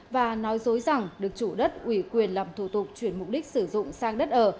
và nói dối rằng được chủ đất ủy quyền làm thủ tục chuyển mục đích sử dụng sang đất ở